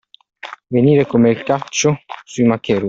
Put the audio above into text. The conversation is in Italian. Venire come il caccio sui maccheroni.